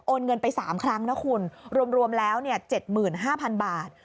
เงินไป๓ครั้งนะคุณรวมแล้ว๗๕๐๐๐บาท